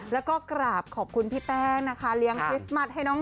แล้วก็กราบขอบคุณพี่แป้งนะคะเลี้ยงคริสต์มัสให้น้อง